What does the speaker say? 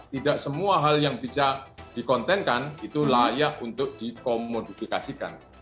tidak semua hal yang bisa dikontenkan itu layak untuk dikomodifikasikan seperti itu mbak